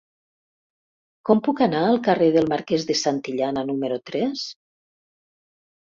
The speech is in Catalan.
Com puc anar al carrer del Marquès de Santillana número tres?